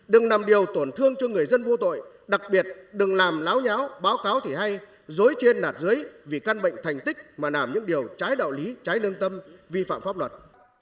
đừng làm điều tổn thương cho người dân vô tội đặc biệt đừng làm láo nháo báo cáo thì hay dối trên nạt dưới vì căn bệnh thành tích mà làm những điều trái đạo lý trái nương tâm vi phạm pháp luật